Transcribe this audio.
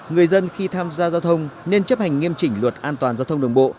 người dân khi tham gia giao thông nên chấp hành nghiêm chỉnh luật an toàn giao thông đường bộ